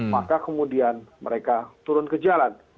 maka kemudian mereka turun ke jalan